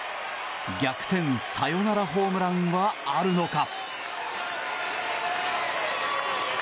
逆転サヨナラホームランはあるのか。